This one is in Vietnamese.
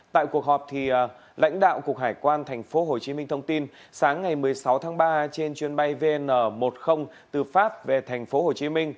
tại cuộc họp lãnh đạo cục hải quan tp hcm thông tin sáng ngày một mươi sáu tháng ba trên chuyến bay vn một mươi từ pháp về tp hcm